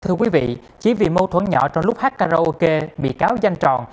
thưa quý vị chỉ vì mâu thuẫn nhỏ trong lúc hát karaoke bị cáo danh tròn